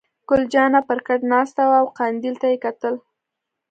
ګل جانه پر کټ ناسته وه او قندیل ته یې کتل.